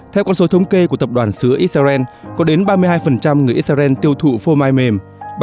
theo con số thống kê của tập đoàn xứ israel có đến ba mươi hai người israel tiêu thụ phô mai mềm